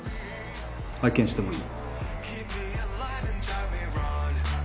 拝見してもいい？